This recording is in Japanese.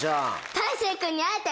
大晴君に会えて。